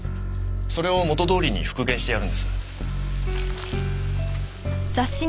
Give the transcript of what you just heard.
それを元どおりに復元してやるんです。